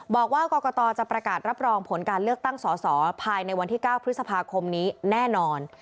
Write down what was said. บอกว่ากรกตจะประกาศรับรองผลการเลือกตั้งสอสอภายในวันที่๙พฤษภาคมนี้แน่นอน